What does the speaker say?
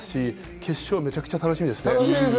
決勝がめちゃくちゃ楽しみです。